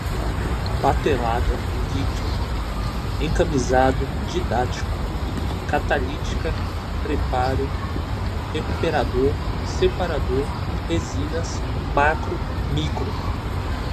batelada, litro, encamisado, didático, catalítica, preparo, recuperador, separador, resinas, macro, micro